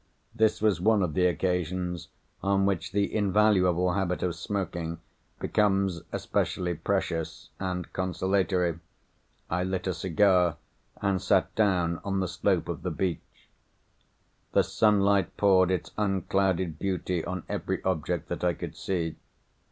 This was one of the occasions on which the invaluable habit of smoking becomes especially precious and consolatory. I lit a cigar, and sat down on the slope of the beach. The sunlight poured its unclouded beauty on every object that I could see.